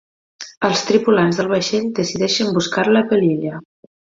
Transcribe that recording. Els tripulants del vaixell decideixen buscar-la per l'illa.